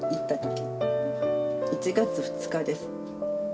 １月２日です。